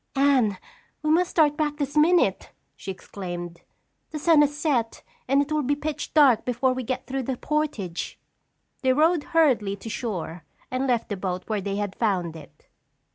"Anne, we must start back this minute!" she exclaimed. "The sun has set and it will be pitch dark before we get through the portage." They rowed hurriedly to shore and left the boat where they had found it.